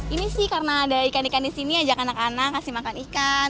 ini sih karena ada ikan ikan di sini ajak anak anak ngasih makan ikan